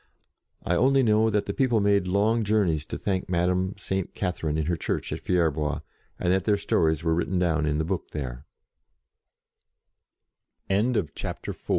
I only know that the people made long journeys to thank Madame Saint Catherine in her church at Fierbois, and that their stories were written down in the book t